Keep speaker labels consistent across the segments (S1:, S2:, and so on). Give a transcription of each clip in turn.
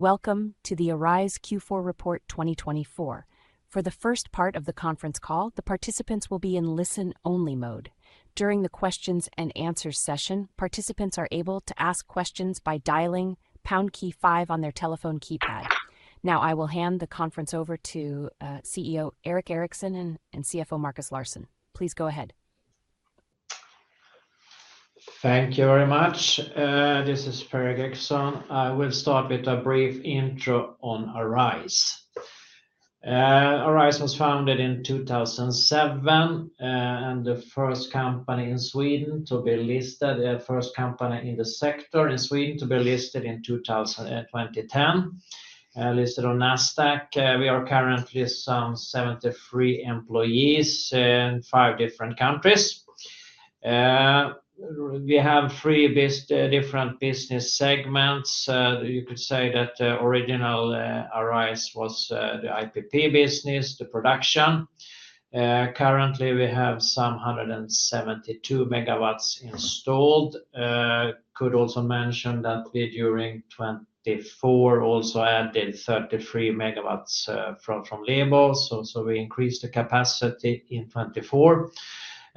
S1: Welcome to the Arise Q4 Report 2024. For the first part of the conference call, the participants will be in listen-only mode. During the Q&A session, participants are able to ask questions by dialing #5 on their telephone keypad. Now, I will hand the conference over to CEO Per-Erik Eriksson and CFO Markus Larsson. Please go ahead.
S2: Thank you very much. This is Per-Erik Eriksson. I will start with a brief intro on Arise. Arise was founded in 2007, and the first company in Sweden to be listed, the first company in the sector in Sweden to be listed in 2010, listed on Nasdaq. We are currently some 73 employees, in five different countries. We have three different business segments. You could say that original Arise was the IPP business, the production. Currently we have some 172 MW installed. Could also mention that we during 2024 also added 33 MW from Label. We increased the capacity in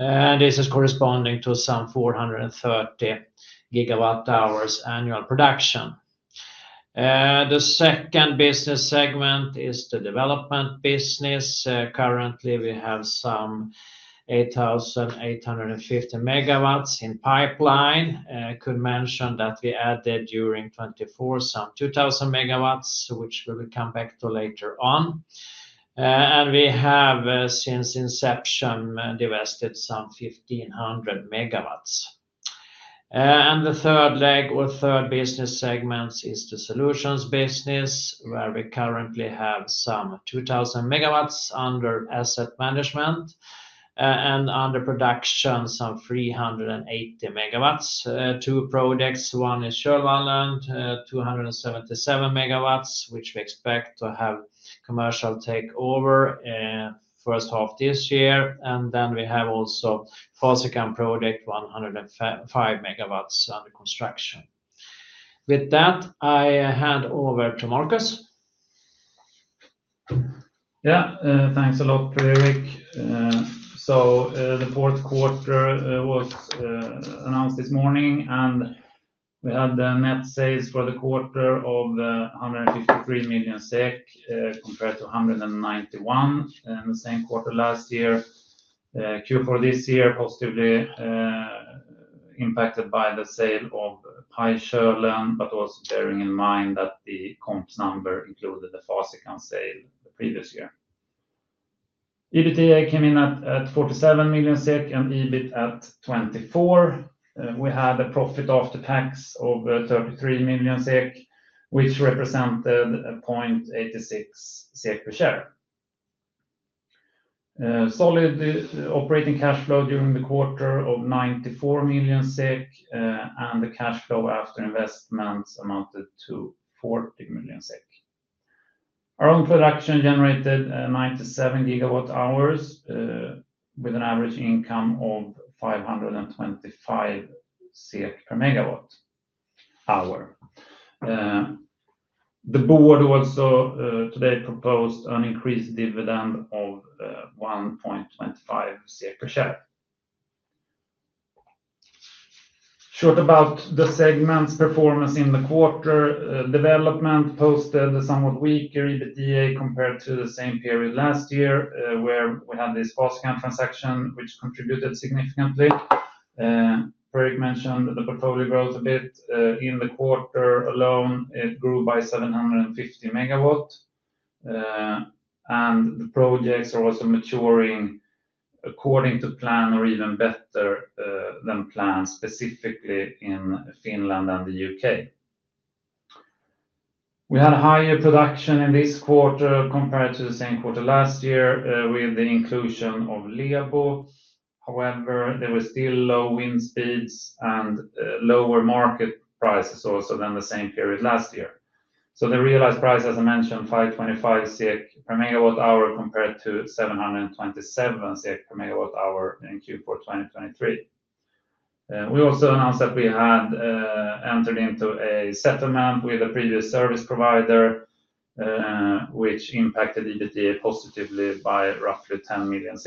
S2: 2024. This is corresponding to some 430 GWh annual production. The second business segment is the development business. Currently we have some 8,850 MW in pipeline. Could mention that we added during 2024 some 2,000 MW, which we will come back to later on. We have, since inception, divested some 1,500 MW. The third leg or third business segment is the Solutions business, where we currently have some 2,000 MW under asset management, and under Production some 380 MW. Two projects. One is Sörvallen, 277 MW, which we expect to have commercial takeover first half this year. We also have the Fasikan project, 105 MW under construction. With that, I hand over to Markus.
S3: Yeah, thanks a lot, Per-Erik. The fourth quarter was announced this morning, and we had the net sales for the quarter of 153 million SEK, compared to 191 million in the same quarter last year. Q4 this year was positively impacted by the sale of Pye-Sörlen, but also bearing in mind that the comps number included the Forsiken sale the previous year. EBITDA came in at 47 million SEK and EBIT at 24 million. We had a profit after tax of 33 million SEK, which represented 0.86 SEK per share. Solid operating cash flow during the quarter of 94 million SEK, and the cash flow after investments amounted to 40 million SEK. Our own production generated 97 gigawatt-hours, with an average income of 525 per megawatt-hour. The board also today proposed an increased dividend of 1.25 per share. Short about the segment's performance in the quarter, Development posted a somewhat weaker EBITDA compared to the same period last year, where we had this Fasikan transaction, which contributed significantly. Per-Erik mentioned the portfolio growth a bit. In the quarter alone, it grew by 750 MW. And the projects are also maturing according to plan or even better than plan, specifically in Finland and the U.K. We had a higher production in this quarter compared to the same quarter last year, with the inclusion of Label. However, there were still low wind speeds and lower market prices also than the same period last year. The realized price, as I mentioned, 525 per MWh compared to 727 per MWh in Q4 2023. We also announced that we had entered into a settlement with a previous service provider, which impacted EBITDA positively by roughly 10 million.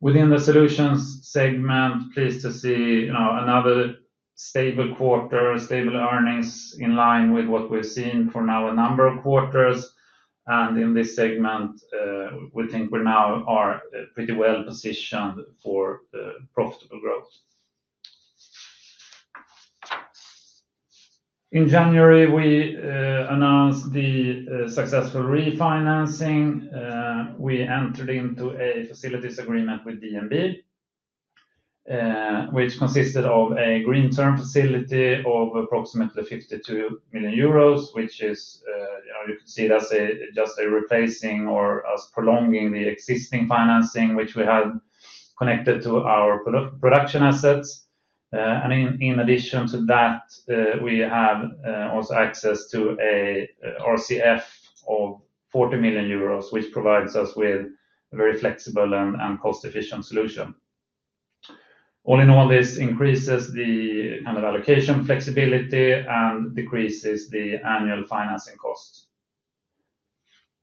S3: Within the Solutions segment, pleased to see, you know, another stable quarter, stable earnings in line with what we've seen for now a number of quarters. In this segment, we think we now are, pretty well positioned for, profitable growth. In January, we announced the successful refinancing. We entered into a facilities agreement with DNB, which consisted of a green term facility of approximately 52 million euros, which is, you know, you could see it as a, just a replacing or as prolonging the existing financing, which we had connected to our Production assets. In addition to that, we have also access to a RCF of 40 million euros, which provides us with a very flexible and, and cost-efficient solution. All in all, this increases the kind of allocation flexibility and decreases the annual financing cost.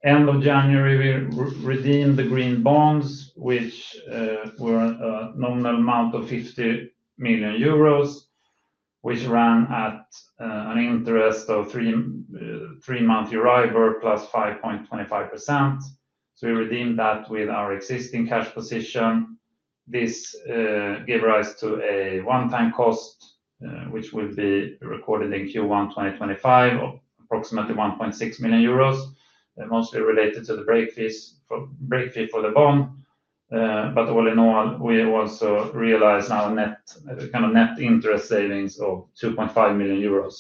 S3: End of January, we redeemed the green bonds, which were a nominal amount of 50 million euros, which ran at an interest of three-month EURIBOR plus 5.25%. We redeemed that with our existing cash position. This gave rise to a one-time cost, which will be recorded in Q1 2025 of approximately 1.6 million euros, mostly related to the break fee for the bond. All in all, we also realized net interest savings of 2.5 million euros.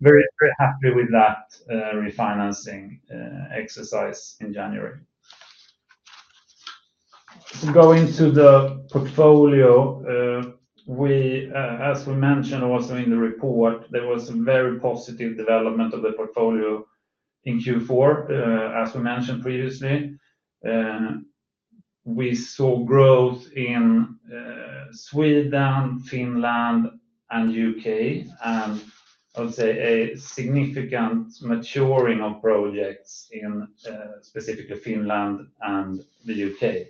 S3: Very, very happy with that refinancing exercise in January. Going to the portfolio, as we mentioned also in the report, there was a very positive development of the portfolio in Q4, as we mentioned previously. We saw growth in Sweden, Finland, and the U.K., and I would say a significant maturing of projects in specifically Finland and the U.K.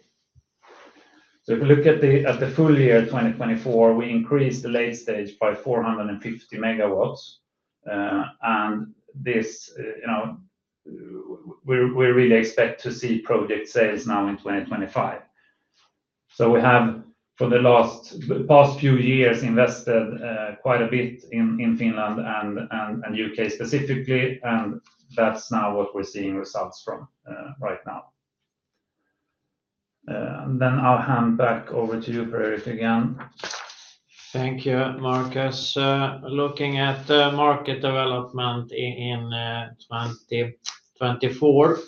S3: If we look at the full year 2024, we increased the late stage by 450 MW. And this, you know, we really expect to see project sales now in 2025. We have for the past few years invested quite a bit in Finland and U.K. specifically. And that's now what we're seeing results from right now. I'll hand back over to you, Per-Erik, again.
S2: Thank you, Markus. Looking at market development in 2024,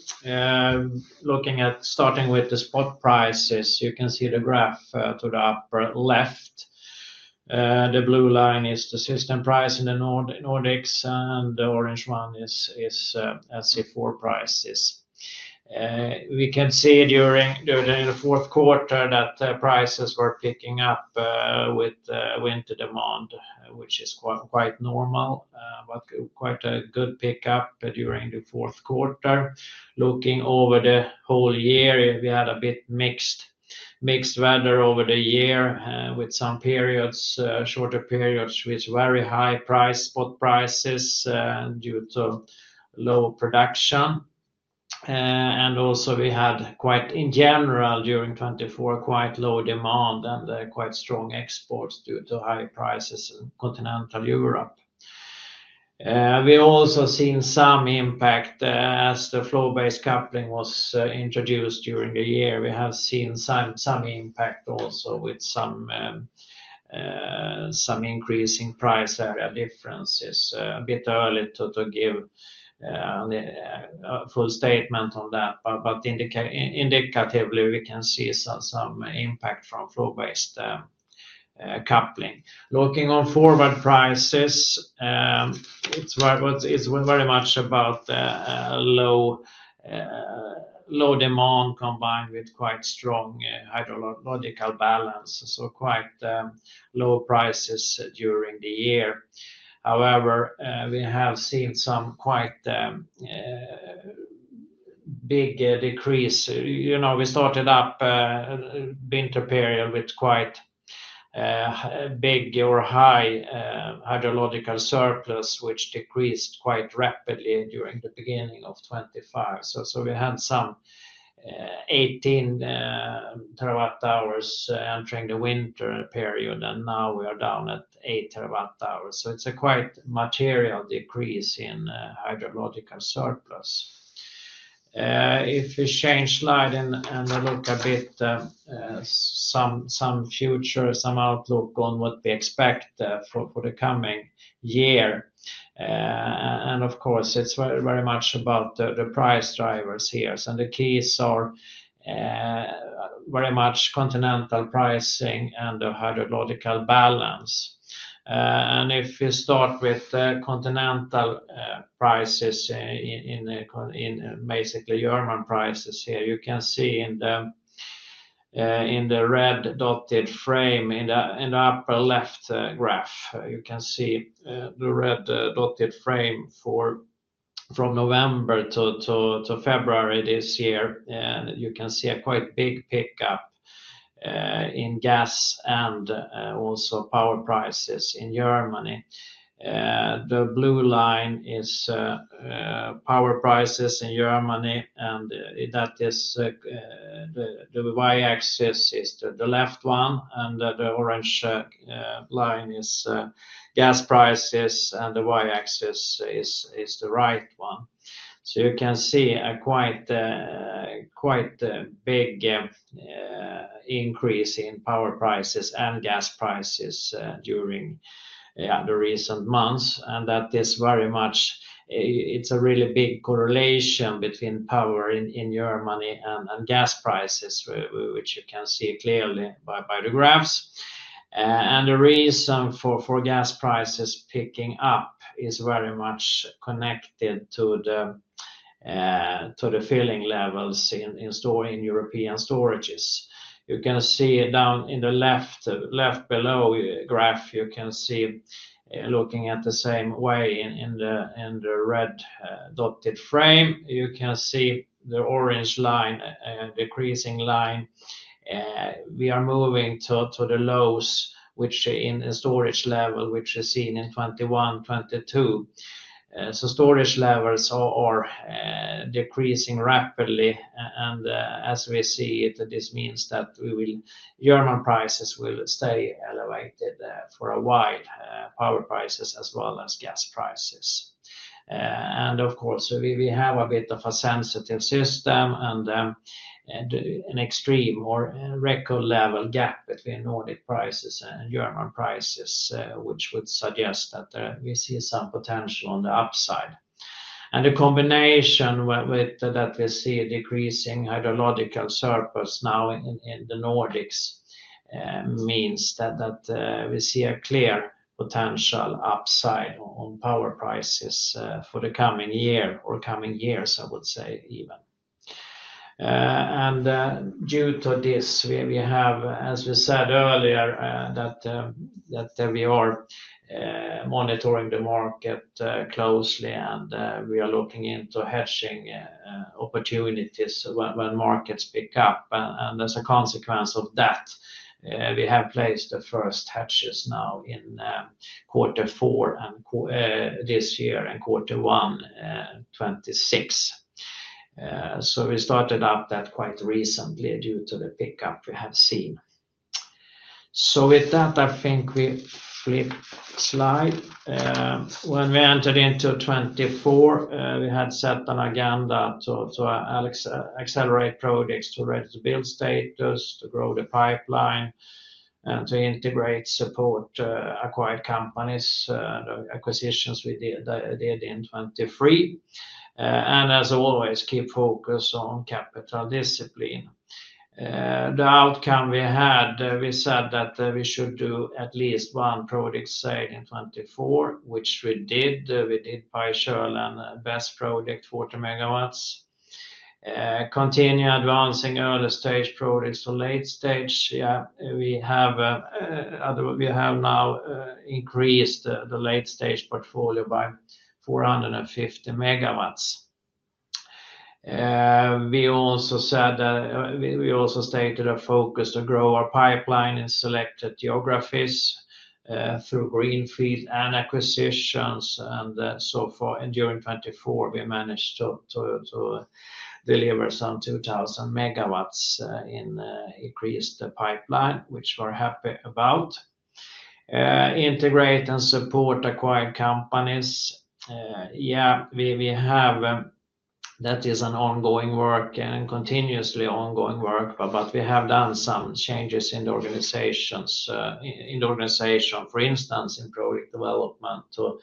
S2: looking at starting with the spot prices, you can see the graph to the upper left. The blue line is the system price in the Nordics, and the orange one is SE4 prices. We can see during the fourth quarter that prices were picking up with winter demand, which is quite normal, but quite a good pickup during the fourth quarter. Looking over the whole year, we had a bit mixed weather over the year, with some periods, shorter periods with very high spot prices due to low production. We also had, in general, during 2024, quite low demand and quite strong exports due to high prices in continental Europe. We also seen some impact as the flow-based coupling was introduced during the year. We have seen some impact also with some increasing price area differences. It is a bit early to give the full statement on that, but indicatively we can see some impact from flow-based coupling. Looking on forward prices, it is very much about low demand combined with quite strong hydrological balance, so quite low prices during the year. However, we have seen some quite big decrease. You know, we started up the winter period with quite big or high hydrological surplus, which decreased quite rapidly during the beginning of 2025. We had some 18 terawatt-hours entering the winter period, and now we are down at 8 terawatt-hours. It is a quite material decrease in hydrological surplus. If we change slide and look a bit, some future, some outlook on what we expect for the coming year. And of course, it's very, very much about the price drivers here. The keys are very much continental pricing and the hydrological balance. If you start with continental prices, in basically German prices here, you can see in the red dotted frame in the upper left graph, you can see the red dotted frame from November to February this year. You can see a quite big pickup in gas and also power prices in Germany. The blue line is power prices in Germany, and that is, the Y axis is the left one, and the orange line is gas prices, and the Y axis is the right one. You can see a quite big increase in power prices and gas prices during the recent months. That is very much, it's a really big correlation between power in Germany and gas prices, which you can see clearly by the graphs. The reason for gas prices picking up is very much connected to the filling levels in European storages. You can see down in the left, left below graph, you can see, looking at the same way in the red, dotted frame, you can see the orange line, decreasing line. We are moving to the lows, which in storage level, which is seen in 2021, 2022. Storage levels are decreasing rapidly. As we see it, this means that German prices will stay elevated for a while, power prices as well as gas prices. Of course, we have a bit of a sensitive system and an extreme or record level gap between Nordic prices and German prices, which would suggest that we see some potential on the upside. The combination with that, we see decreasing hydrological surplus now in the Nordics, means that we see a clear potential upside on power prices for the coming year or coming years, I would say even. Due to this, we have, as we said earlier, that we are monitoring the market closely, and we are looking into hedging opportunities when markets pick up. As a consequence of that, we have placed the first hedges now in quarter four this year and quarter one 2026. We started up that quite recently due to the pickup we have seen. With that, I think we flip slide. When we entered into 2024, we had set an agenda to accelerate projects to ready to build status, to grow the pipeline, and to integrate support, acquired companies, the acquisitions we did in 2023. As always, keep focus on capital discipline. The outcome we had, we said that we should do at least one project sale in 2024, which we did. We did Pye-Sörlen and Best Project 40 megawatts. Continue advancing early stage projects to late stage. Yeah, we have now increased the late stage portfolio by 450 megawatts. We also said that we also stated our focus to grow our pipeline in selected geographies, through greenfield and acquisitions. For 2024, we managed to deliver some 2,000 megawatts in increased the pipeline, which we're happy about. Integrate and support acquired companies. Yeah, we have, that is an ongoing work and continuously ongoing work, but we have done some changes in the organization, for instance, in project development to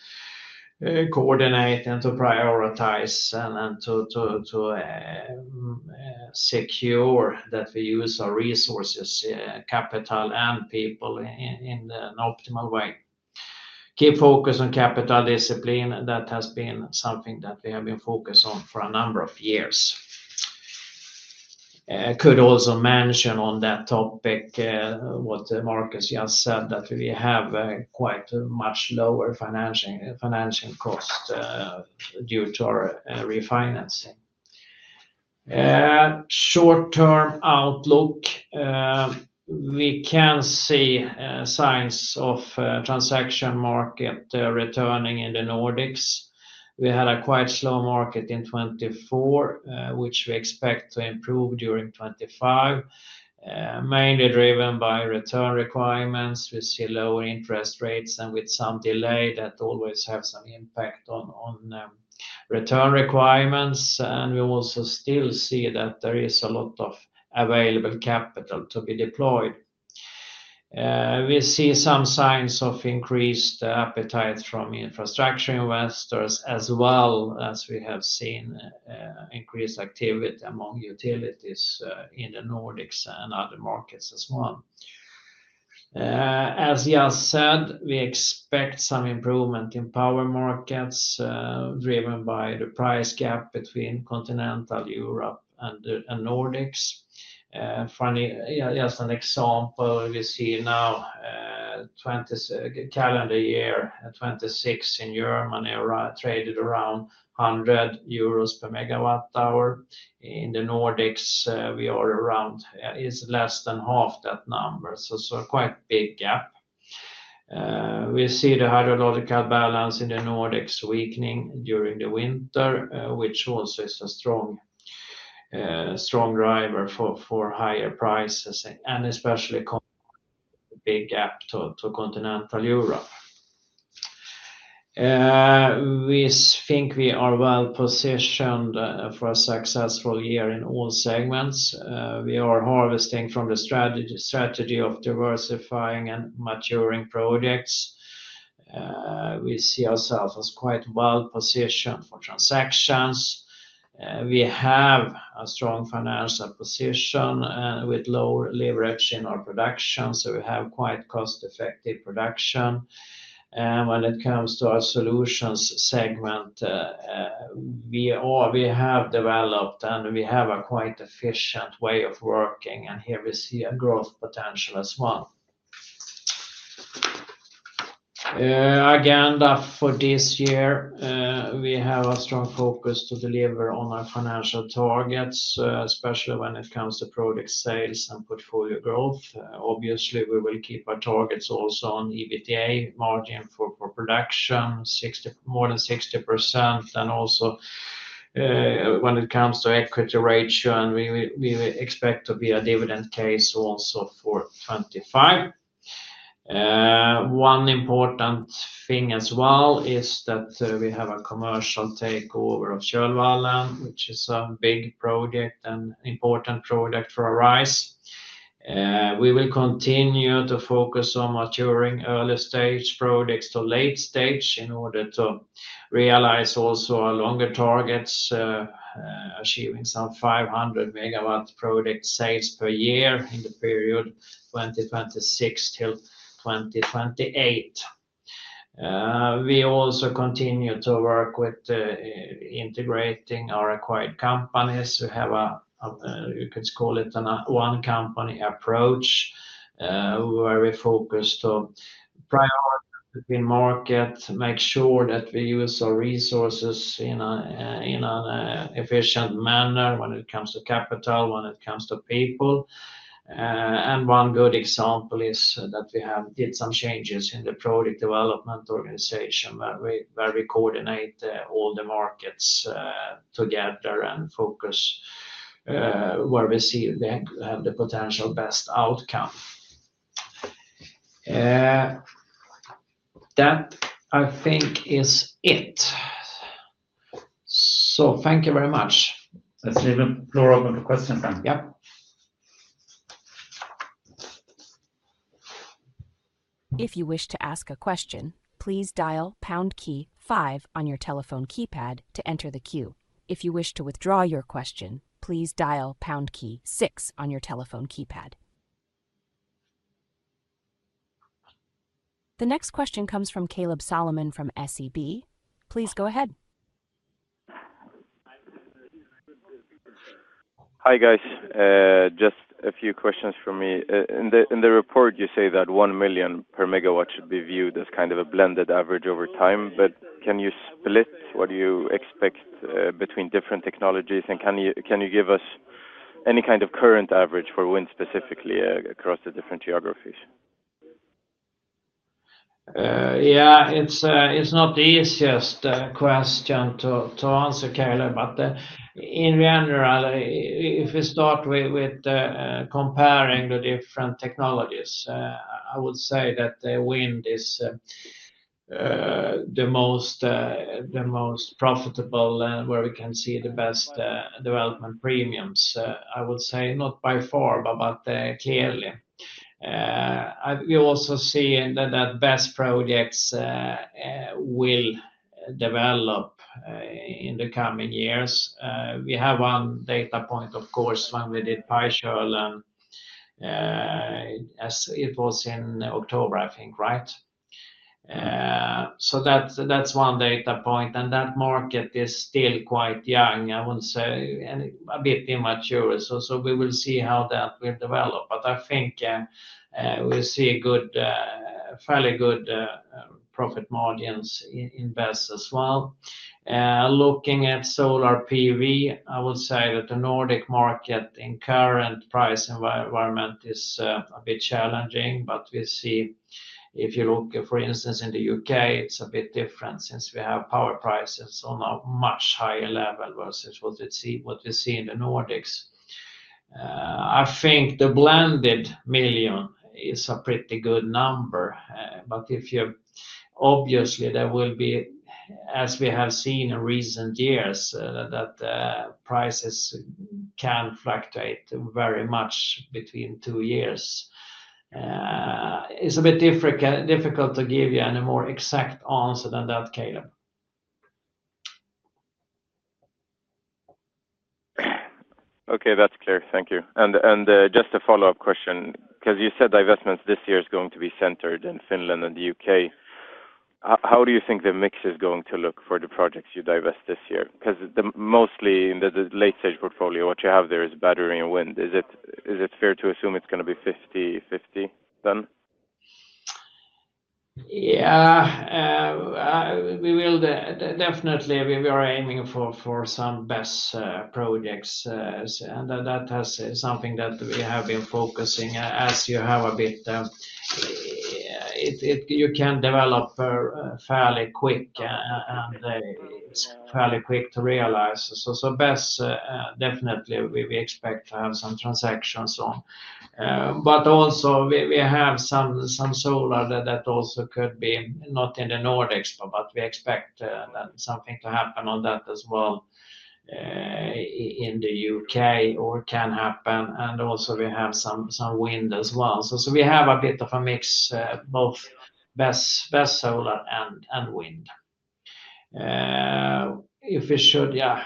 S2: coordinate and to prioritize and to secure that we use our resources, capital and people in an optimal way. Keep focus on capital discipline. That has been something that we have been focused on for a number of years. Could also mention on that topic, what Markus just said, that we have quite a much lower financing cost due to our refinancing. Short-term outlook, we can see signs of transaction market returning in the Nordics. We had a quite slow market in 2024, which we expect to improve during 2025, mainly driven by return requirements. We see lower interest rates and with some delay that always have some impact on, on, return requirements. And we also still see that there is a lot of available capital to be deployed. We see some signs of increased appetite from infrastructure investors as well as we have seen, increased activity among utilities, in the Nordics and other markets as well. As Jas said, we expect some improvement in power markets, driven by the price gap between continental Europe and the, and Nordics. Funny, just an example, we see now, 2026 in Germany traded around 100 euros per megawatt hour. In the Nordics, we are around, is less than half that number. Quite big gap. We see the hydrological balance in the Nordics weakening during the winter, which also is a strong, strong driver for higher prices and especially big gap to continental Europe. We think we are well positioned for a successful year in all segments. We are harvesting from the strategy, strategy of diversifying and maturing projects. We see ourselves as quite well positioned for transactions. We have a strong financial position and with lower leverage in our production. We have quite cost-effective production. When it comes to our Solutions segment, we have developed and we have a quite efficient way of working. Here we see a growth potential as well. Agenda for this year, we have a strong focus to deliver on our financial targets, especially when it comes to project sales and portfolio growth. Obviously, we will keep our targets also on EBITDA margin for production, more than 60%. Also, when it comes to equity ratio, we expect to be a dividend case also for 2025. One important thing as well is that we have a commercial takeover of Sjöallvallen, which is a big project and important project for Arise. We will continue to focus on maturing early stage projects to late stage in order to realize also our longer targets, achieving some 500 MW project sales per year in the period 2026 till 2028. We also continue to work with integrating our acquired companies. We have a, you could call it a one company approach, where we focus to prioritize between market, make sure that we use our resources in an efficient manner when it comes to capital, when it comes to people. One good example is that we have did some changes in the project development organization where we coordinate all the markets together and focus where we see we have the potential best outcome. That I think is it. Thank you very much.
S3: Let's leave a floor open for questions then.
S1: If you wish to ask a question, please dial pound key five on your telephone keypad to enter the queue. If you wish to withdraw your question, please dial pound key six on your telephone keypad. The next question comes from Kaleb Solomon from SEB. Please go ahead.
S4: Hi guys. Just a few questions for me. In the report, you say that 1 million per megawatt should be viewed as kind of a blended average over time, but can you split what do you expect between different technologies? Can you give us any kind of current average for wind specifically, across the different geographies?
S2: Yeah, it's not the easiest question to answer, Kaleb, but in general, if we start with comparing the different technologies, I would say that wind is the most profitable and where we can see the best development premiums. I would say not by far, but clearly. We also see that the best projects will develop in the coming years. We have one data point, of course, when we did Pye-Sörlen, as it was in October, I think, right? That's one data point and that market is still quite young. I would say a bit immature. We will see how that will develop. I think we see fairly good profit margins in BESS as well. Looking at solar PV, I would say that the Nordic market in current price environment is a bit challenging, but we see if you look, for instance, in the U.K., it's a bit different since we have power prices on a much higher level versus what we see, what we see in the Nordics. I think the blended million is a pretty good number. If you obviously there will be, as we have seen in recent years, that prices can fluctuate very much between two years. It's a bit difficult to give you a more exact answer than that, Kaleb.
S4: Okay, that's clear. Thank you. Just a follow-up question, because you said divestments this year is going to be centered in Finland and the U.K. How do you think the mix is going to look for the projects you divest this year? Because mostly in the late stage portfolio, what you have there is battery and wind. Is it fair to assume it's going to be 50-50 then?
S2: Yeah, we will definitely, we are aiming for some BESS projects. That is something that we have been focusing on, as you have a bit, it can develop fairly quick and it's fairly quick to realize. BESS, definitely, we expect to have some transactions on. We also have some solar that could be not in the Nordics, but we expect that something to happen on that as well, in the U.K. or can happen. We also have some wind as well. We have a bit of a mix, both BESS, solar, and wind. If we should, yeah,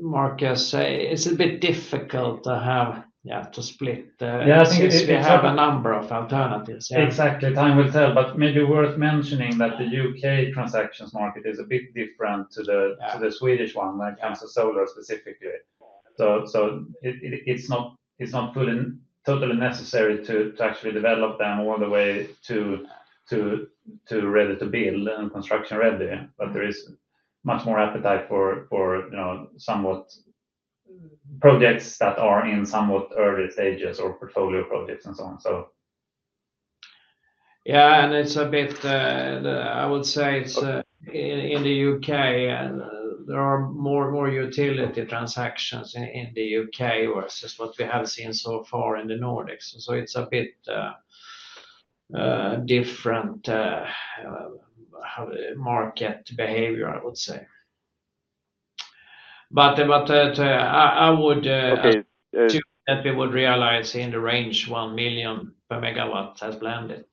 S2: Markus, it's a bit difficult to have, yeah, to split. Yeah, I think it's, it's a number of alternatives.
S3: Exactly. Time will tell, but maybe worth mentioning that the U.K. transactions market is a bit different to the Swedish one, when it comes to solar specifically. It is not fully totally necessary to actually develop them all the way to ready to build and construction ready. There is much more appetite for, you know, somewhat projects that are in somewhat early stages or portfolio projects and so on.
S2: Yeah, and it's a bit, I would say, in the U.K., there are more utility transactions in the U.K. versus what we have seen so far in the Nordics. It is a bit different market behavior, I would say. I would, that we would realize in the range 1 million per megawatt as blended.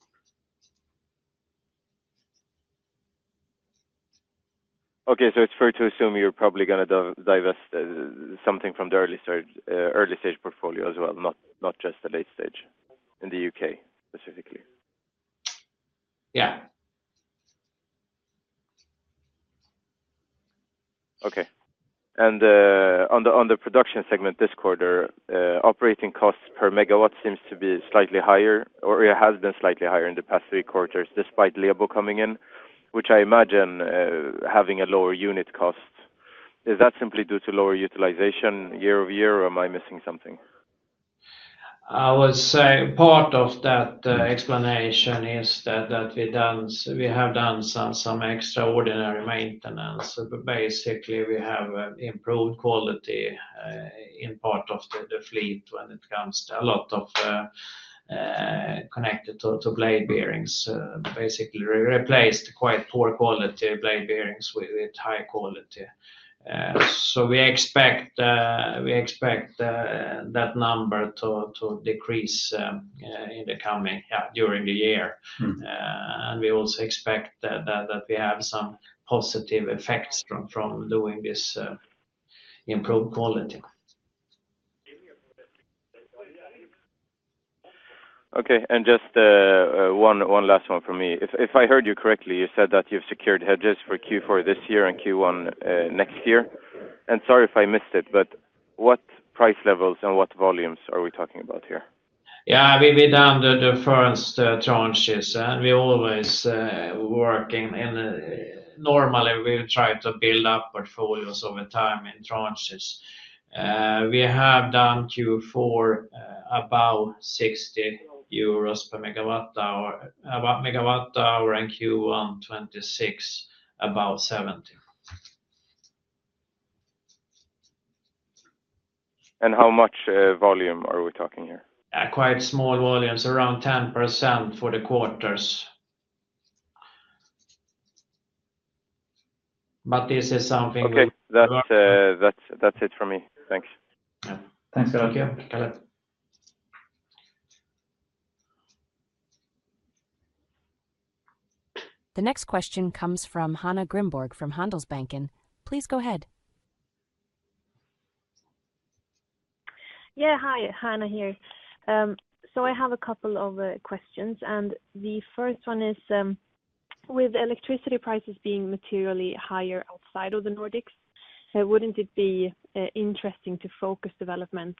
S4: Okay, so it's fair to assume you're probably going to divest something from the early stage, early stage portfolio as well, not just the late stage in the U.K. specifically.
S2: Yeah.
S4: Okay. On the production segment this quarter, operating costs per megawatt seems to be slightly higher, or it has been slightly higher in the past three quarters despite Label coming in, which I imagine, having a lower unit cost. Is that simply due to lower utilization year over year, or am I missing something?
S2: I would say part of that explanation is that we have done some extraordinary maintenance. Basically, we have improved quality in part of the fleet when it comes to a lot of, connected to blade bearings, basically replaced quite poor quality blade bearings with high quality. We expect that number to decrease in the coming, yeah, during the year. We also expect that we have some positive effects from doing this improved quality.
S4: Okay. Just one last one for me. If I heard you correctly, you said that you've secured hedges for Q4 this year and Q1 next year. Sorry if I missed it, but what price levels and what volumes are we talking about here?
S2: Yeah, we have done the first tranches, and we always, normally we try to build up portfolios over time in tranches. We have done Q4, about 60 euros per megawatt hour, about megawatt hour, and Q1 2026, about EUR 70. And how much, volume are we talking here? Quite small volumes, around 10% for the quarters. This is something we.
S4: Okay, that's it for me. Thanks.
S2: Yeah. Thanks a lot, Kaleb.
S1: The next question comes from Hanna Grimborg from Handelsbanken. Please go ahead.
S5: Yeah, hi, Hanna here. I have a couple of questions, and the first one is, with electricity prices being materially higher outside of the Nordics, wouldn't it be interesting to focus development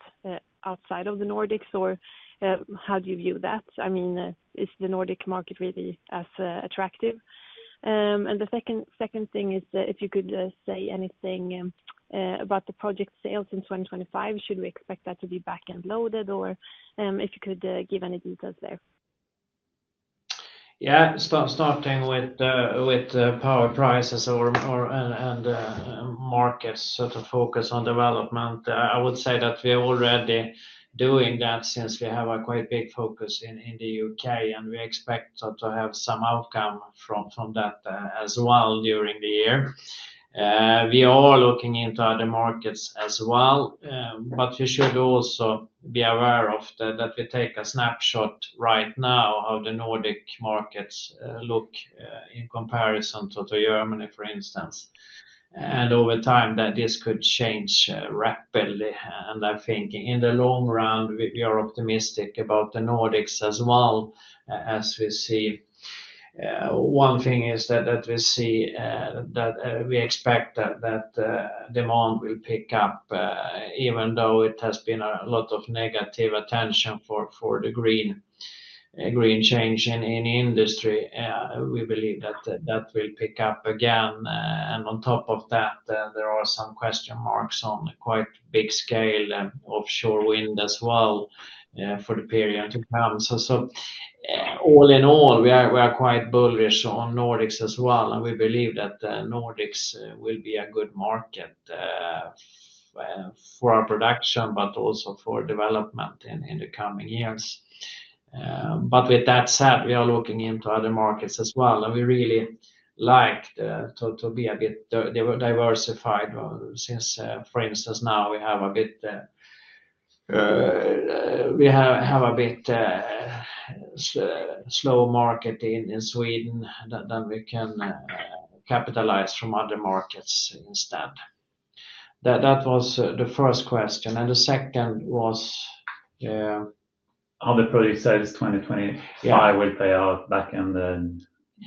S5: outside of the Nordics, or, how do you view that? I mean, is the Nordic market really as attractive? The second thing is, if you could say anything about the project sales in 2025, should we expect that to be back and loaded, or, if you could give any details there?
S2: Yeah, starting with power prices and markets to focus on development. I would say that we are already doing that since we have a quite big focus in the U.K., and we expect to have some outcome from that as well during the year. We are looking into other markets as well, but we should also be aware that if we take a snapshot right now of the Nordic markets, in comparison to Germany, for instance, over time this could change rapidly. I think in the long run, we are optimistic about the Nordics as well, as we see. One thing is that we see that we expect that demand will pick up, even though it has been a lot of negative attention for the green change in industry. We believe that that will pick up again. On top of that, there are some question marks on quite big scale offshore wind as well, for the period to come. All in all, we are quite bullish on Nordics as well, and we believe that the Nordics will be a good market for our production, but also for development in the coming years. With that said, we are looking into other markets as well, and we really like to be a bit diversified since, for instance, now we have a bit, we have a bit, slow market in Sweden that we can capitalize from other markets instead. That was the first question. The second was, how the project size is 2025 will pay out back in the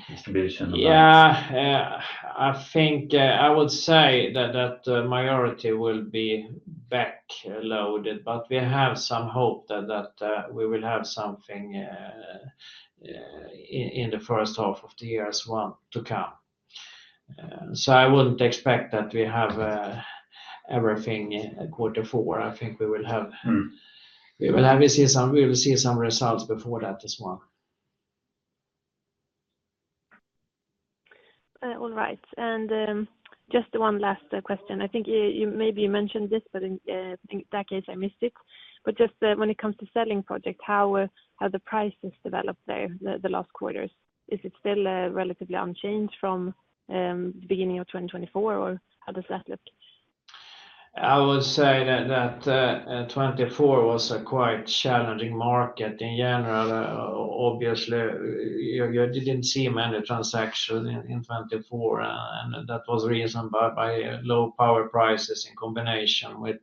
S2: distribution. Yeah, I think I would say that the majority will be back loaded, but we have some hope that we will have something in the first half of the year as well to come. I would not expect that we have everything in quarter four. I think we will see some results before that as well.
S5: All right. Just one last question. I think maybe you mentioned this, but in that case, I missed it. Just when it comes to selling projects, how the prices developed there the last quarters, is it still relatively unchanged from the beginning of 2024, or how does that look?
S2: I would say that 2024 was a quite challenging market in general. Obviously, you didn't see many transactions in 2024, and that was reasoned by low power prices in combination with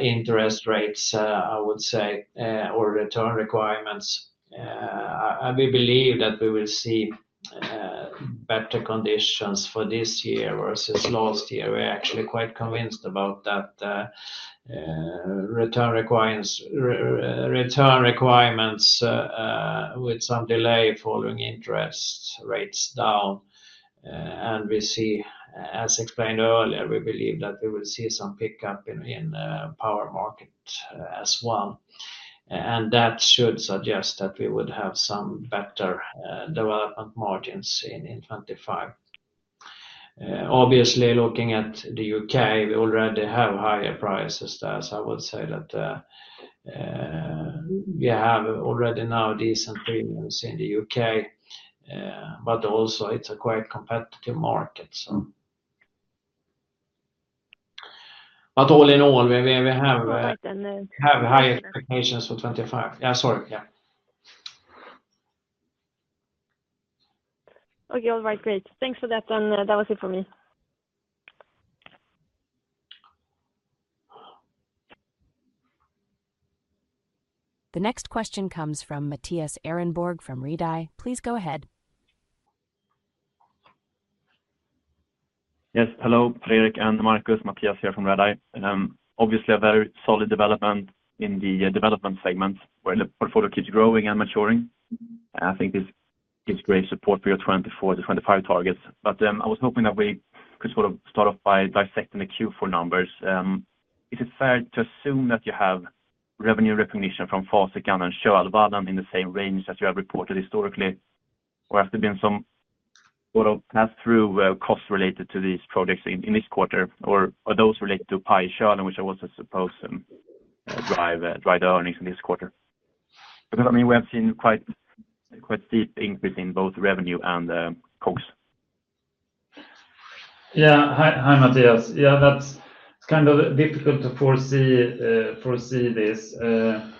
S2: interest rates, I would say, or return requirements. I believe that we will see better conditions for this year versus last year. We're actually quite convinced about that, return requirements, with some delay following interest rates down. We see, as explained earlier, we believe that we will see some pickup in the power market as well. That should suggest that we would have some better development margins in 2025. Obviously looking at the U.K., we already have higher prices there. I would say that we have already now decent premiums in the U.K., but also it's a quite competitive market. All in all, we have high expectations for 2025. Yeah, sorry. Yeah.
S5: Okay, all right. Great. Thanks for that. That was it for me.
S1: The next question comes from Mattias Ehrenborg from Redeye. Please go ahead.
S6: Yes. Hello, Per-Erik and Markus. Mattias here from Redeye. Obviously a very solid development in the Development segment where the portfolio keeps growing and maturing. I think this gives great support for your 2024 to 2025 targets. I was hoping that we could sort of start off by dissecting the Q4 numbers. Is it fair to assume that you have revenue recognition from Fasikan and Sjöallvallen in the same range as you have reported historically, or has there been some sort of pass-through costs related to these projects in this quarter, or are those related to Pye-Sörlen, which I was supposed to drive the earnings in this quarter? Because, I mean, we have seen quite, quite steep increase in both revenue and costs.
S2: Yeah. Hi, hi Mattias. Yeah, that's kind of difficult to foresee, foresee this. The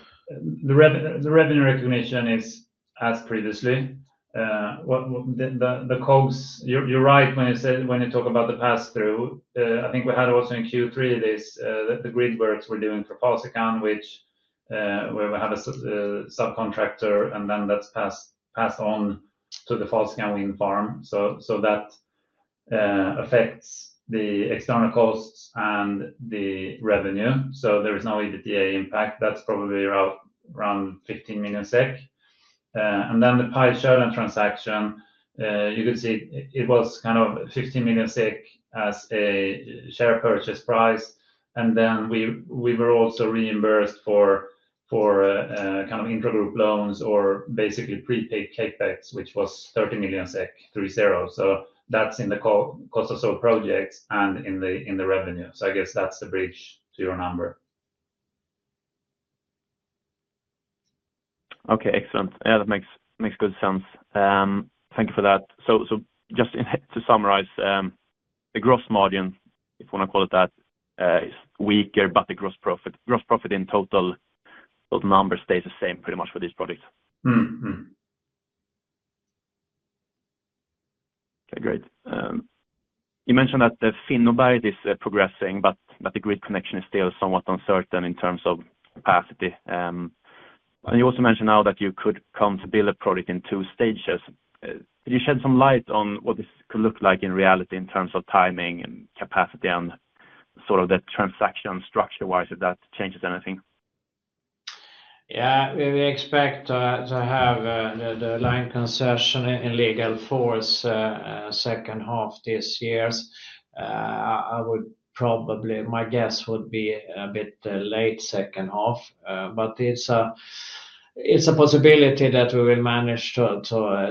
S2: revenue, the revenue recognition is as previously. What, what the, the, the costs, you're, you're right when you say, when you talk about the pass-through. I think we had also in Q3 this, the, the grid works we're doing for Fasikan, which, where we have a subcontractor, and then that's passed, passed on to the Fasikan wind farm. That affects the external costs and the revenue. There is no EBITDA impact. That's probably around 15 million SEK. And then the Pye Sjöallen transaction, you could see it was kind of 15 million SEK as a share purchase price. We were also reimbursed for, kind of intra-group loans or basically prepaid CapEx, which was 30 million SEK, three zero. That is in the cost of sold projects and in the revenue. I guess that is the bridge to your number.
S6: Okay, excellent. Yeah, that makes good sense. Thank you for that. Just to summarize, the gross margin, if you want to call it that, is weaker, but the gross profit, gross profit in total, total number stays the same pretty much for these projects. Mm-hmm. Okay, great. You mentioned that the Finnoberg is progressing, but that the grid connection is still somewhat uncertain in terms of capacity. You also mentioned now that you could come to build a project in two stages. Could you shed some light on what this could look like in reality in terms of timing and capacity and sort of the transaction structure wise, if that changes anything?
S2: Yeah, we expect to have the line concession in legal force, second half this year. I would probably, my guess would be a bit late second half, but it's a possibility that we will manage to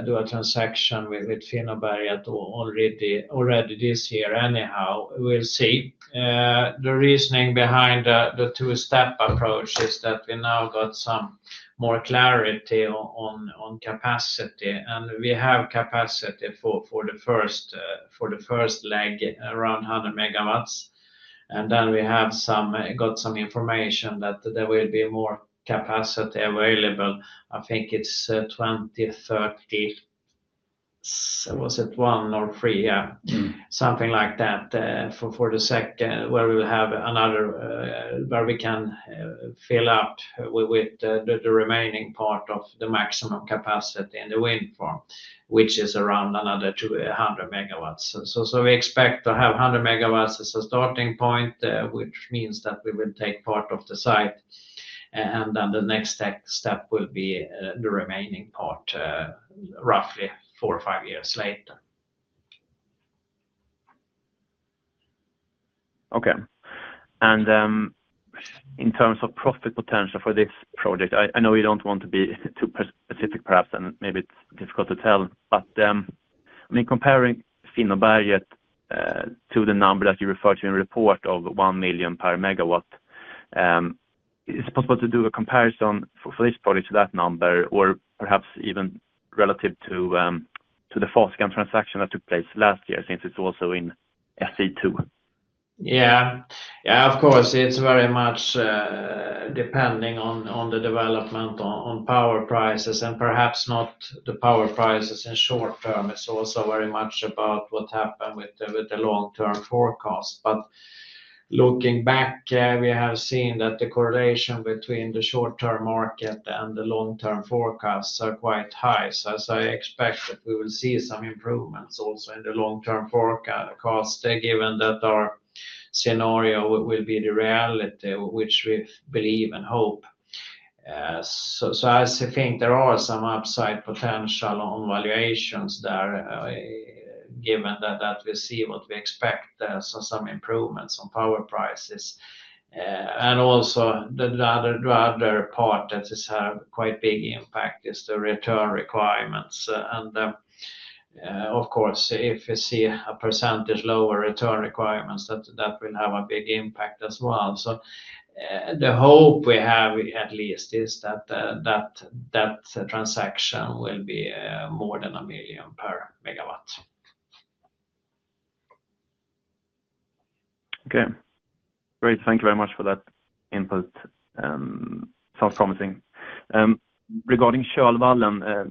S2: do a transaction with Finnoberg already this year anyhow. We'll see. The reasoning behind the two-step approach is that we now got some more clarity on capacity, and we have capacity for the first leg around 100 MW. And then we have got some information that there will be more capacity available. I think it's 2030. Was it one or three? Yeah, something like that, for the second where we will have another, where we can fill up with the remaining part of the maximum capacity in the wind farm, which is around another 200 MW. We expect to have 100 MW as a starting point, which means that we will take part of the site, and the next step will be the remaining part, roughly four or five years later.
S6: Okay. In terms of profit potential for this project, I know you don't want to be too specific perhaps, and maybe it's difficult to tell, but, I mean, comparing Finnoberg to the number that you referred to in report of 1 million per megawatt, is it possible to do a comparison for this project to that number, or perhaps even relative to the Fasikan transaction that took place last year since it's also in SE2?
S2: Yeah. Yeah, of course. It's very much depending on the development on power prices, and perhaps not the power prices in short term. It's also very much about what happened with the long-term forecast. Looking back, we have seen that the correlation between the short-term market and the long-term forecasts are quite high. I expect that we will see some improvements also in the long-term forecast, given that our scenario will be the reality, which we believe and hope. I think there are some upside potential on valuations there, given that we see what we expect, so some improvements on power prices. Also, the other part that has had quite big impact is the return requirements. Of course, if we see a percentage lower return requirements, that will have a big impact as well. The hope we have at least is that that transaction will be more than 1 million per megawatt.
S6: Okay. Great. Thank you very much for that input. Sounds promising. Regarding Sjöallvallen,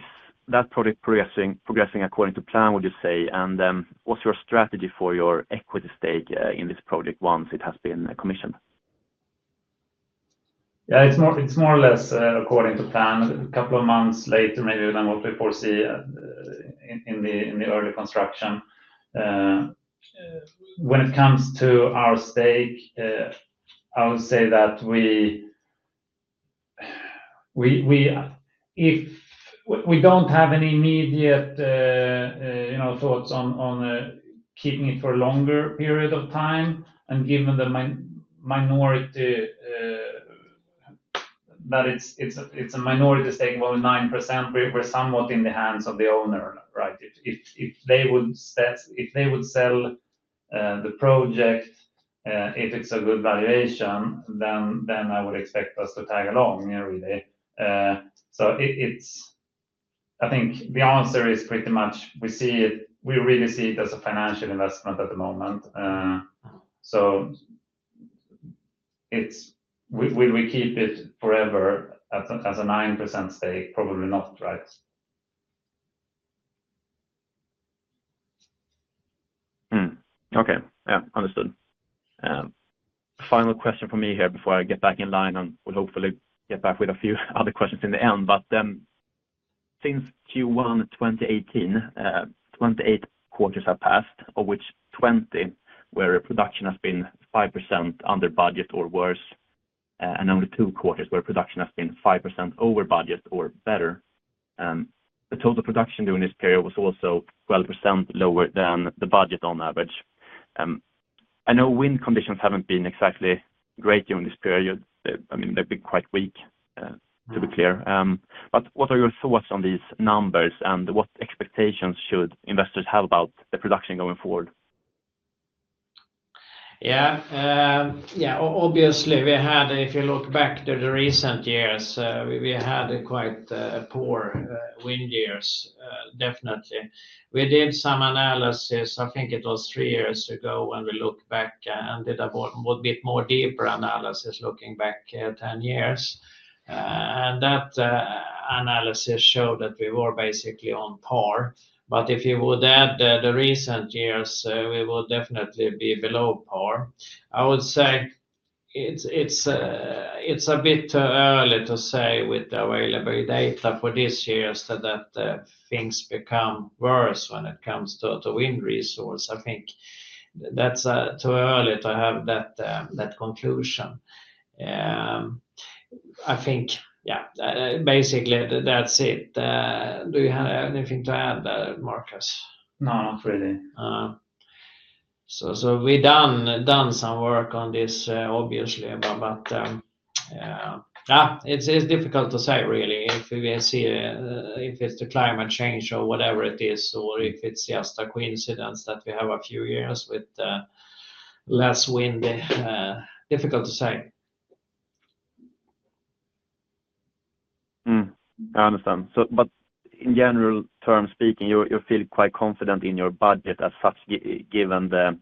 S6: is that project progressing according to plan, would you say? What's your strategy for your equity stake in this project once it has been commissioned?
S2: Yeah, it's more or less according to plan. A couple of months later maybe than what we foresee in the early construction. When it comes to our stake, I would say that we, if we don't have any immediate, you know, thoughts on keeping it for a longer period of time, and given the minority, that it's a minority stake, 9%, we're somewhat in the hands of the owner, right? If they would sell the project, if it's a good valuation, then I would expect us to tag along, you know, really. It, it's, I think the answer is pretty much we see it, we really see it as a financial investment at the moment. It's, will we keep it forever as a, as a 9% stake? Probably not, right?
S6: Okay. Yeah. Understood. Final question for me here before I get back in line, and we'll hopefully get back with a few other questions in the end. But, since Q1 2018, 28 quarters have passed, of which 20 where production has been 5% under budget or worse, and only two quarters where production has been 5% over budget or better. The total production during this period was also 12% lower than the budget on average. I know wind conditions haven't been exactly great during this period. I mean, they've been quite weak, to be clear. But what are your thoughts on these numbers, and what expectations should investors have about the production going forward?
S2: Yeah. Yeah, obviously we had, if you look back to the recent years, we had quite poor wind years, definitely. We did some analysis. I think it was three years ago when we looked back and did a bit more deeper analysis looking back 10 years. And that analysis showed that we were basically on par. But if you would add the recent years, we would definitely be below par. I would say it's a bit too early to say with the available data for this year that things become worse when it comes to wind resource. I think that's too early to have that conclusion. I think, yeah, basically that's it. Do you have anything to add, Markus?
S3: No, not really.
S2: So we've done some work on this, obviously, but yeah, it's difficult to say really if we see, if it's the climate change or whatever it is, or if it's just a coincidence that we have a few years with less windy. Difficult to say.
S6: I understand. In general terms speaking, you feel quite confident in your budget as such, given the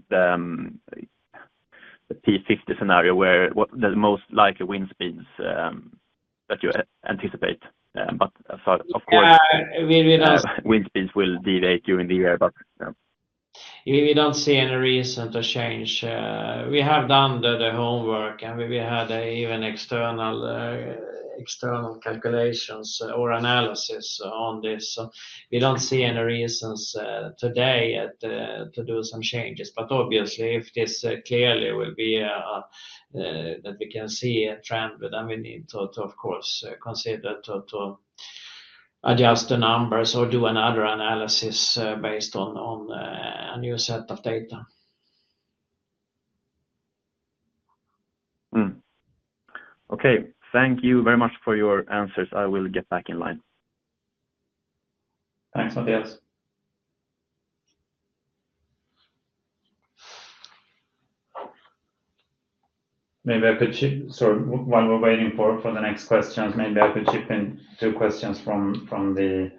S6: P50 scenario where what the most likely wind speeds that you anticipate. Of course. Wind speeds will deviate during the year, but
S2: we don't see any reason to change. We have done the homework, and we had even external calculations or analysis on this. We don't see any reasons today to do some changes. Obviously, if this clearly will be, that we can see a trend, then we need to, of course, consider to adjust the numbers or do another analysis based on a new set of data.
S6: Okay. Thank you very much for your answers. I will get back in line.
S3: Thanks, Mattias. Maybe I could chip in, sorry, while we're waiting for the next questions, maybe I could chip in two questions from the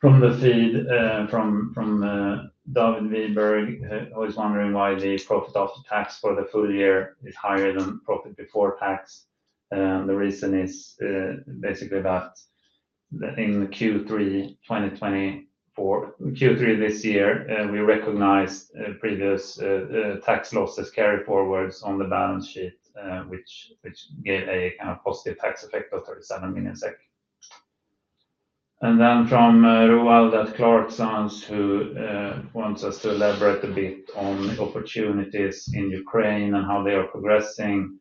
S3: feed from David Weberg, who is wondering why the profit after tax for the full year is higher than profit before tax. The reason is basically that in Q3 2024, Q3 this year, we recognized previous tax losses carried forwards on the balance sheet, which gave a kind of positive tax effect of 37 million SEK. From Rowald at Clarkson's, who wants us to elaborate a bit on the opportunities in Ukraine and how they are progressing.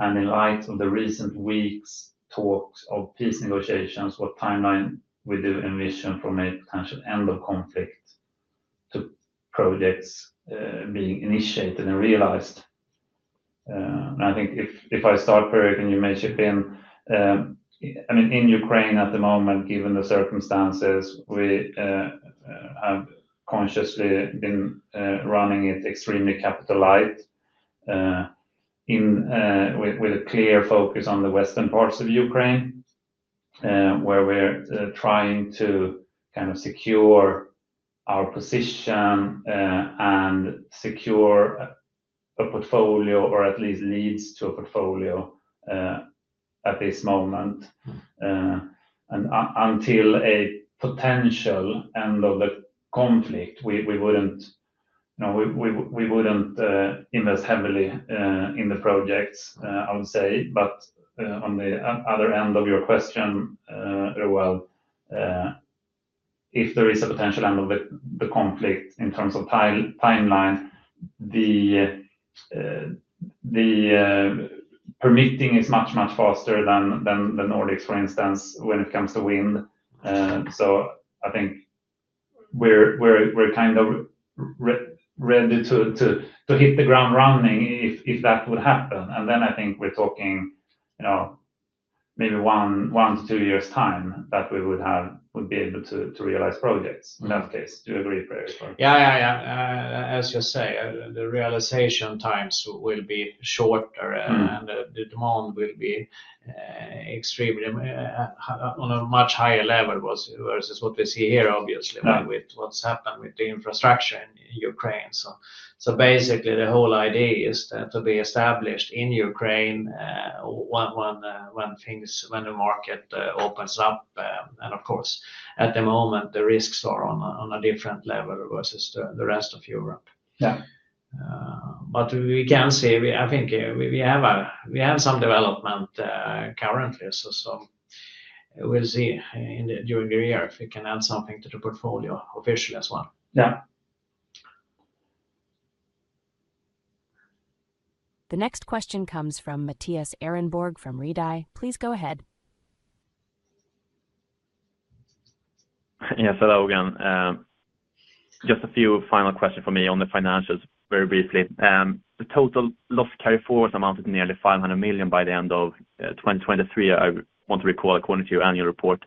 S3: In light of the recent weeks talks of peace negotiations, what timeline we do envision for maybe potential end of conflict to projects being initiated and realized. I think if I start, Per-Erik, and you may chip in, I mean, in Ukraine at the moment, given the circumstances, we have consciously been running it extremely capital-light, with a clear focus on the western parts of Ukraine, where we're trying to kind of secure our position and secure a portfolio or at least leads to a portfolio at this moment. Until a potential end of the conflict, we wouldn't, you know, we wouldn't invest heavily in the projects, I would say. On the other end of your question, Rowald, if there is a potential end of the conflict in terms of timeline, the permitting is much, much faster than the Nordics, for instance, when it comes to wind. I think we're kind of ready to hit the ground running if that would happen. I think we're talking maybe one to two years' time that we would be able to realize projects in that case. Do you agree, Per-Erik?
S2: Yeah, yeah, yeah. As you say, the realization times will be shorter, and the demand will be extremely, on a much higher level versus what we see here, obviously, with what's happened with the infrastructure in Ukraine. Basically, the whole idea is to be established in Ukraine when things, when the market opens up. Of course, at the moment the risks are on a different level versus the rest of Europe. Yeah. I think we have some development currently. We'll see during the year if we can add something to the portfolio officially as well.
S3: Yeah.
S1: The next question comes from Mattias Ehrenborg from Redeye. Please go ahead.
S6: Yes, hello again. Just a few final questions for me on the financials, very briefly. The total loss carried forwards amounted to nearly 500 million by the end of 2023. I want to recall according to your annual report.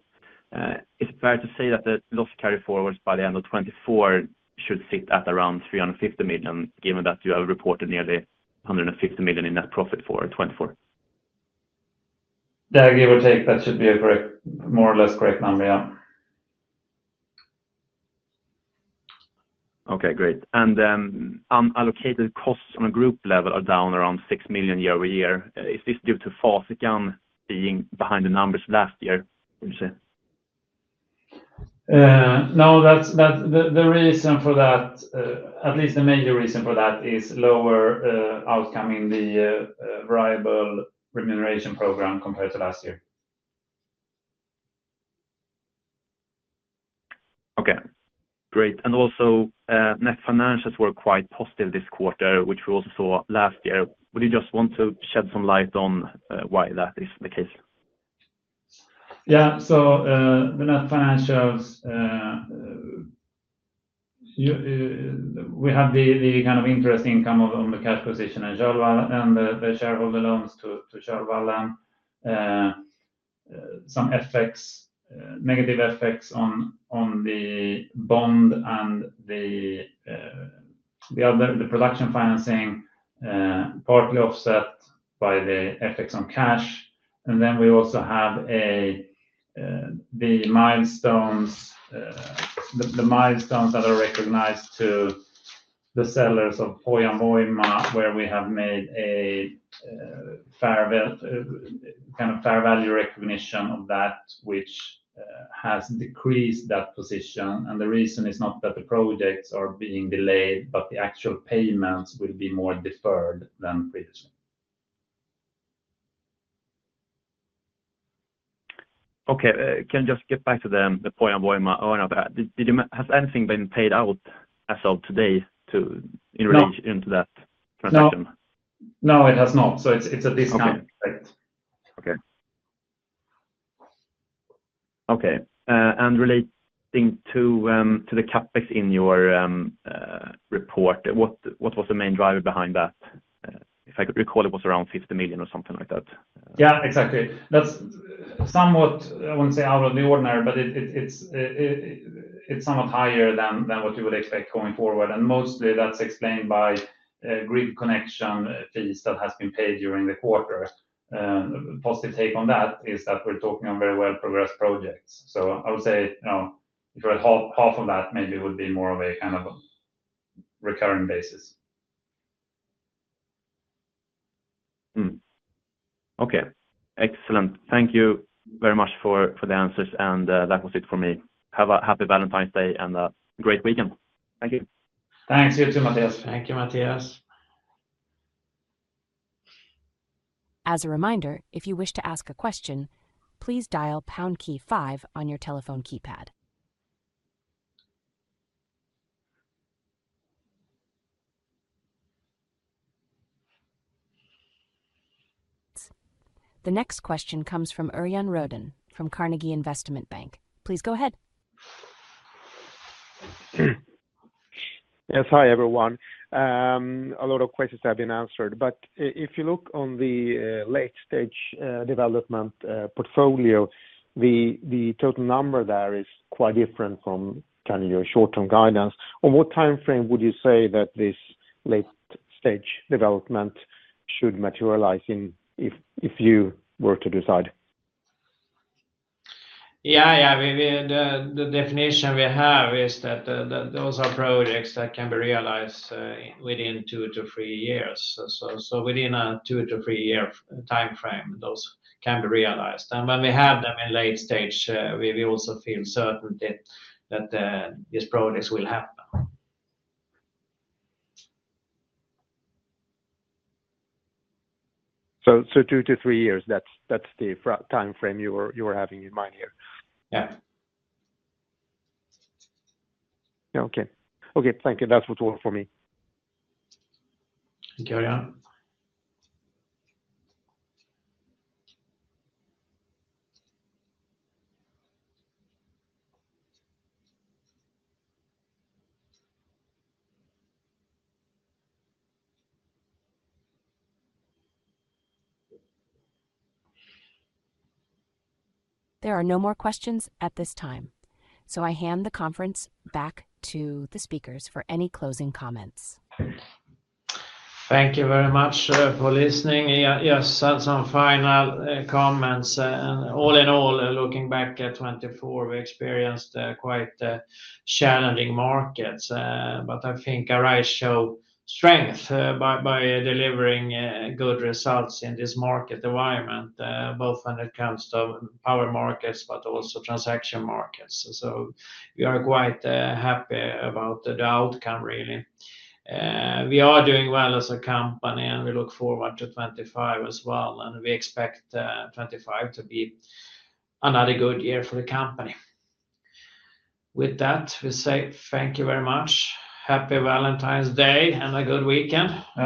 S6: Is it fair to say that the loss carried forwards by the end of 2024 should sit at around 350 million, given that you have reported nearly 150 million in net profit for 2024?
S3: Yeah, give or take, that should be a correct, more or less correct number, yeah.
S6: Okay, great. Unallocated costs on a group level are down around 6 million year over year. Is this due to Fasikan being behind the numbers last year? Would you say?
S3: No, that's the reason for that, at least the major reason for that, is lower outcome in the variable remuneration program compared to last year.
S6: Okay. Great. Also, net financials were quite positive this quarter, which we also saw last year. Would you just want to shed some light on why that is the case?
S2: Yeah. The net financials, we have the kind of interest income on the cash position in Sjöallvallen and the shareholder loans to Sjöallvallen. Some effects, negative effects on the bond and the other, the production financing, partly offset by the effects on cash. We also have the milestones, the milestones that are recognized to the sellers of Hojan Voima, where we have made a fair value recognition of that, which has decreased that position. The reason is not that the projects are being delayed, but the actual payments will be more deferred than previously.
S6: Okay. Can you just get back to the Hojan Voima owner there? Did you have anything been paid out as of today in relation to that transaction? No, no, it has not. It is at this time. Okay. Okay. Okay. And relating to the CapEx in your report, what was the main driver behind that? If I could recall, it was around 50 million or something like that.
S2: Yeah, exactly. That's somewhat, I wouldn't say out of the ordinary, but it's somewhat higher than what you would expect going forward. Mostly that's explained by grid connection fees that have been paid during the quarter. Positive take on that is that we're talking on very well progressed projects. I would say, you know, if we're at half of that, maybe it would be more of a kind of recurring basis.
S6: Okay. Excellent. Thank you very much for the answers. That was it for me. Have a happy Valentine's Day and a great weekend. Thank you.
S2: Thanks. You too, Mattias.
S3: Thank you, Mattias.
S1: As a reminder, if you wish to ask a question, please dial "Pound-Key 5" on your telephone keypad. The next question comes from Örjan Röden, from Carnegie Investment Bank. Please go ahead.
S7: Yes, hi everyone. A lot of questions have been answered, but if you look on the late stage development portfolio, the total number there is quite different from kind of your short-term guidance. On what timeframe would you say that this late stage development should materialize in if you were to decide?
S2: Yeah, yeah. The definition we have is that those are projects that can be realized within two to three years. Within a two to three year timeframe, those can be realized. When we have them in late stage, we also feel certain that these projects will happen.
S7: Two to three years, that's the timeframe you were having in mind here.
S2: Yeah.
S7: Okay. Thank you. That's what worked for me.
S2: Thank you, Örjan.
S1: There are no more questions at this time. I hand the conference back to the speakers for any closing comments.
S2: Thank you very much for listening. Yes, some final comments. All in all, looking back at 2024, we experienced quite challenging markets, but I think Arise showed strength by delivering good results in this market environment, both when it comes to power markets and transaction markets. We are quite happy about the outcome, really. We are doing well as a company, and we look forward to 2025 as well. We expect 2025 to be another good year for the company. With that, we say thank you very much. Happy Valentine's Day and a good weekend.